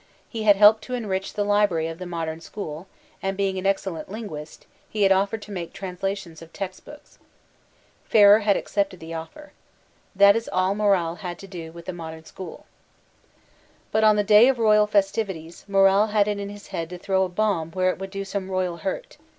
He had helped to enrich the library of the Modem School and being an excellent lin guist, he had offered to make translations of text books. Ferrer had accepted the offer. That is all Morral had to do with the Modem School. But on the day of royal festivities, Morral had it in his head to throw a bomb where it would do some royal hurt.